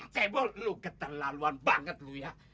saya lu keterlaluan banget lu ya